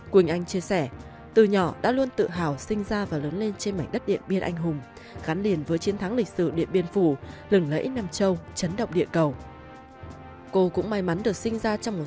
quỳnh anh chia sẻ từ nhỏ đã luôn tự hào sinh ra và lớn lên trên mảnh đất điện biên anh hùng